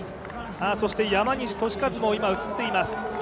そして山西利和も今、映っています